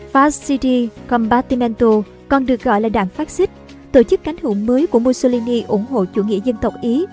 faci di combattimento còn được gọi là đảng fascist tổ chức cánh hữu mới của mussolini ủng hộ chủ nghĩa dân tộc ý